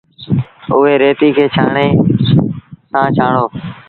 اُئي ريتيٚ کي ڇآڻڻي سآݩ ڇآڻو۔